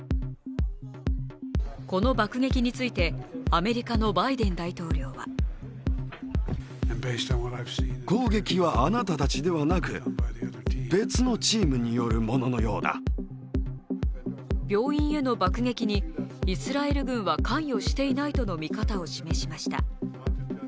この爆撃についてアメリカのバイデン大統領は病院への爆撃にイスラエル軍は関与していないとの見方を示しました。